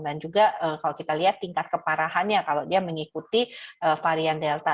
dan juga kalau kita lihat tingkat keparahannya kalau dia mengikuti varian delta